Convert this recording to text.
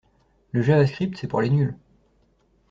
Le javascript c'est pour les nuls.